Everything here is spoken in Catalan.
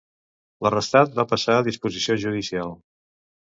L'arrestat va passar a disposició judicial.